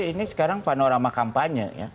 ini sekarang panorama kampanye